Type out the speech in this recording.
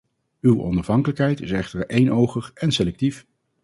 Uw onafhankelijkheid is echter eenogig en selectief.